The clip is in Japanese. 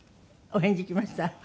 お返事来ました？